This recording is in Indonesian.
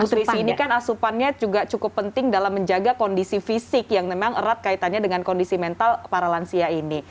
nutrisi ini kan asupannya juga cukup penting dalam menjaga kondisi fisik yang memang erat kaitannya dengan kondisi mental para lansia ini